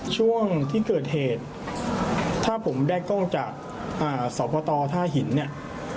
ช่วงที่เกิดเหตุถ้าผมได้กล้องจากสพตท่าหินเนี่ย